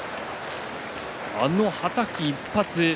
あのはたき１発。